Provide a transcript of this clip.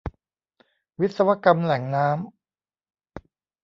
วิศวกรรมแหล่งน้ำ